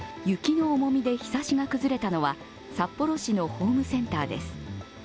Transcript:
雪の重みでひさしが崩れたのは札幌市のホームセンターです。